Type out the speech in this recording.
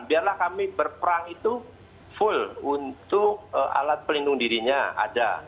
karena kalau kami berperang itu full untuk alat pelindung dirinya ada